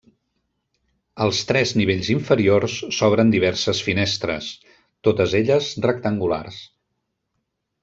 Als tres nivells inferiors s'obren diverses finestres, totes elles rectangulars.